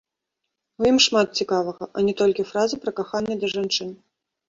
У ім шмат цікавага, а не толькі фраза пра каханне да жанчын.